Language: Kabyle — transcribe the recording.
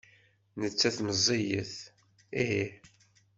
Nettat meẓẓiyet? Ih.